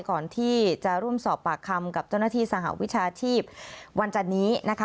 ก่อนที่จะร่วมสอบปากคำกับเจ้าหน้าที่สหวิชาชีพวันจันนี้นะคะ